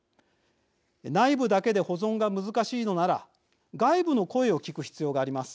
内部だけで保存が難しいのなら外部の声を聞く必要があります。